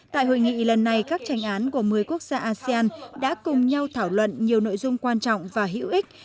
tại hội nghị lần này các tranh án của một mươi quốc gia asean đã cùng nhau thảo luận nhiều nội dung quan trọng và hữu ích